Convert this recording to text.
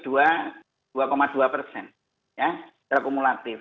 ya secara kumulatif